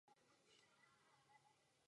Úřední dopis už je na cestě do Parlamentu.